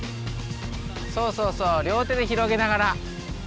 そうそうそう両手で広げながら。